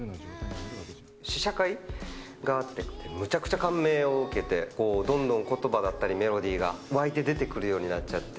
試写会があって、むちゃくちゃ感銘を受けて、どんどんことばだったりメロディーが湧いて出てくるようになっちゃって。